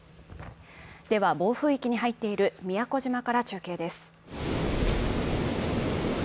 では、暴風域に入っている宮古島から中継です。